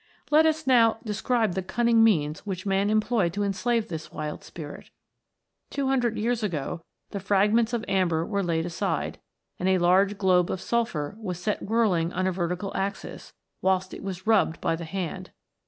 Let us now describe the cunning means which man employed to enslave this wild Spirit. Two hundred years ago, the fragments of amber were laid aside, and a large globe of sulphur was set whirling on a vertical axis, whilst it was rubbed by the hand.